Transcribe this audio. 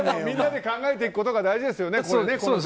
みんなで考えていくことが大事ですよね。